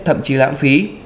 thậm chí lãng phí